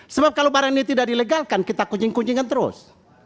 sebab kalau barang ini tidak dilegalkan kita kucing kucingkan terus